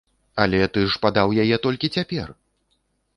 Але ты ж падаў яе толькі цяпер!